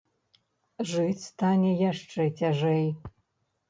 Жыць стане яшчэ цяжэй.